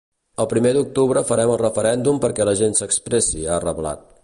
El primer d’octubre farem el referèndum perquè la gent s’expressi, ha reblat.